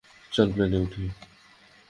চল, প্লেনে উঠি।